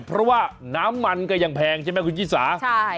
เพราะว่าน้ำมันก็ยังแพงใช่ไหมคุณชิสาใช่